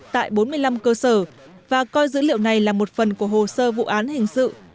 tại bốn mươi năm cơ sở và coi dữ liệu này là một phần của hồ sơ vụ án hình sự